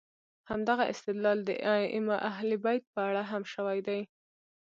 همدغه استدلال د ائمه اهل بیت په اړه هم شوی دی.